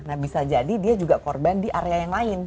nah bisa jadi dia juga korban di area yang lain